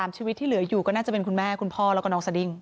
ชีวิตที่เหลืออยู่ก็น่าจะเป็นคุณแม่คุณพ่อแล้วก็น้องสดิ้ง